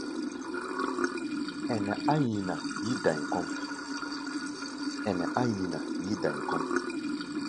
Ɛnɛ á nyina yí-da̧i kɔ́ʼm.